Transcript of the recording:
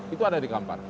itu ada di kampar